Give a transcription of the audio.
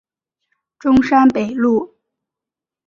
中山北路